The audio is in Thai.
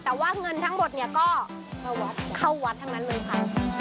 แต่ว่าเงินทั้งหมดเนี่ยก็เข้าวัดทั้งนั้นเลยค่ะ